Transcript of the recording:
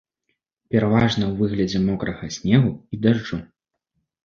Пераважна ў выглядзе мокрага снегу і дажджу.